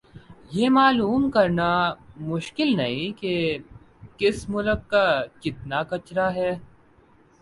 یہ معلوم کرنا مشکل نہیں کہ کس ملک کا کتنا کچرا ھے